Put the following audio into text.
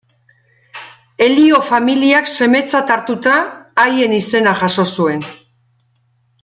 Elio familiak semetzat hartuta, haien izena jaso zuen.